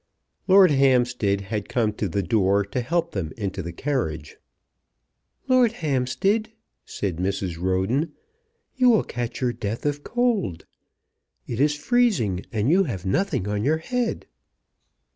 Lord Hampstead had come to the door to help them into the carriage. "Lord Hampstead," said Mrs. Roden, "you will catch your death of cold. It is freezing, and you have nothing on your head."